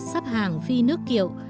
sắp hàng phi nước kiệu